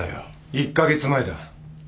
１カ月前だ。